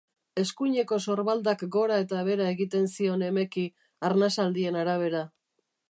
Eskuineko sorbaldak gora eta behera egiten zion emeki, arnasaldien arabera.